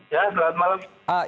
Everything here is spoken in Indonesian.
ya selamat malam